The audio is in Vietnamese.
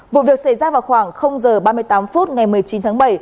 vụ việc xảy ra vào khoảng h ba mươi tám phút ngày một mươi chín tháng bảy